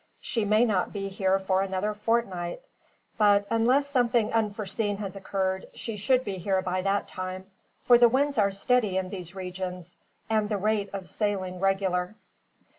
She may not be here for another fortnight. But unless something unforeseen has occurred, she should be here by that time; for the winds are steady in these regions, and the rate of sailing regular."